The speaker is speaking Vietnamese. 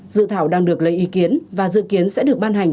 dự thảo đang được lấy ý kiến và dự kiến sẽ được ban hành